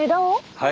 はい。